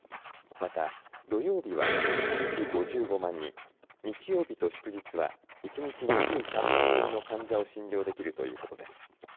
また土曜日は一日５５万人、日曜日と祝日は一日２３万人の患者を診療できるということです。